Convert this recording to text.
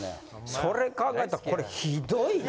それ考えたらこれひどいな。